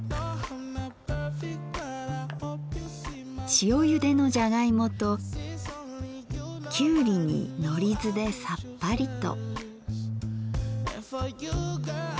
塩ゆでのじゃがいもときゅうりにのりずでさっぱりと。